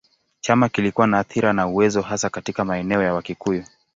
Chama kilikuwa na athira na uwezo hasa katika maeneo ya Wakikuyu.